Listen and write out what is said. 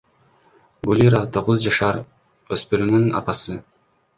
Гулира — тогуз жашар өспүрүмүн апасы.